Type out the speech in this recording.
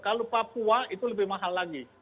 kalau papua itu lebih mahal lagi